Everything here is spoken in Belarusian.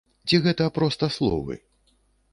Ці гэта проста словы?